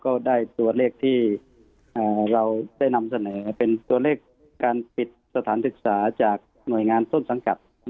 ก็ได้ตัวเลขที่เราได้นำเสนอเป็นตัวเลขการปิดสถานศึกษาจากหน่วยงานต้นสังกัด